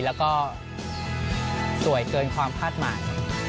แล้วก็สวยเกินความคาดหมาย